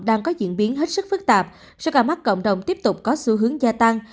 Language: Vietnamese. đang có diễn biến hết sức phức tạp sự cả mắt cộng đồng tiếp tục có xu hướng gia tăng